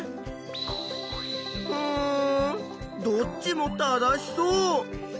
うんどっちも正しそう。